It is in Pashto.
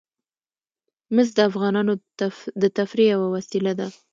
مس د افغانانو د تفریح یوه وسیله ده.